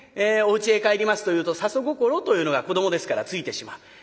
おうちへ帰りますというと里心というのが子どもですからついてしまう。